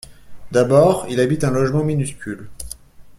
D’abord, il habite un logement minuscule.